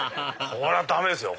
これはダメですよ！